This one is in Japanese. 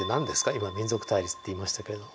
今民族対立って言いましたけれども。